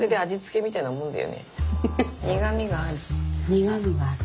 苦みがある。